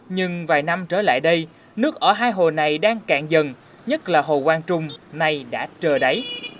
nhưng vài năm trở lại đây nước ở hai hồ này đang cạn dần nhất là hồ quang trung nay đã trờ đáy